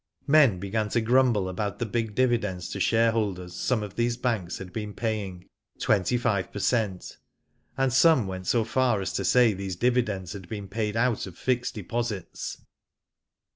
Men began to grumble about the big dividends to shareholders some of these banks had been paying — twenty five per cent., and some went so far as to say these dividends had been paid out of fixed deposits.